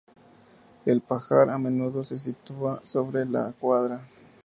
El pajar a menudo se sitúa sobre la cuadra.